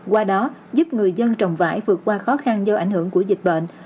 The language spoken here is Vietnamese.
qua đó giúp người dân trồng vải vượt qua khó khăn do ảnh hưởng của dịch bệnh